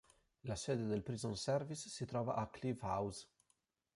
La sede del Prison Service si trova a "Clive House".